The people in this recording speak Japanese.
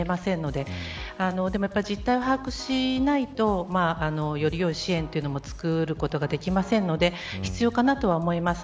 でも、こういった事態を把握しないとよりよい支援というのもつくることができませんので必要かなとは思います。